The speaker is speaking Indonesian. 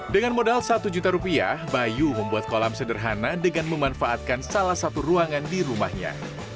dengan modal satu juta rupiah bayu membuat kolam sederhana dengan memanfaatkan salah satu ruangan di rumahnya